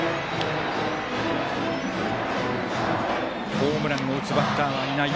ホームランを打つバッターはいない。